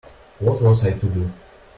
What was I to do?